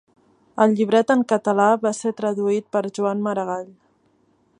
El llibret en català va ser traduït per Joan Maragall.